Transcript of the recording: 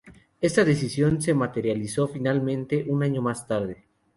Esta decisión se materializó, finalmente, un año más tarde.